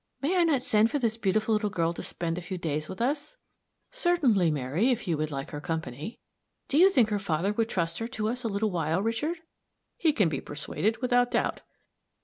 May I not send for this beautiful little girl to spend a few days with us?" "Certainly, Mary, if you think you would like her company." "Do you think her father would trust her to us a little while, Richard?" "He can be persuaded, without doubt."